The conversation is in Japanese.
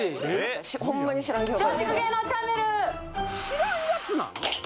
知らんやつなの？